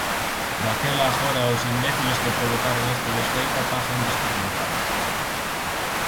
Daquela agora aos imbéciles que provocaron esta desfeita páganlles por limpala.